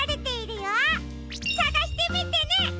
さがしてみてね！